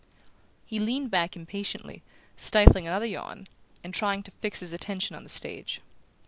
He leaned back impatiently, stifling another yawn, and trying to fix his attention on the stage.